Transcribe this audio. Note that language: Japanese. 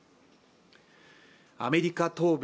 アメリカ東部